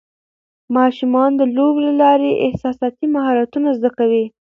ماشومان د لوبو له لارې احساساتي مهارتونه زده کوي.